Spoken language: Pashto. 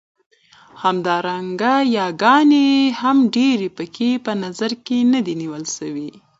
همدارنګه ياګانې هم ډېرې پکې په نظر کې نه دي نيول شوې.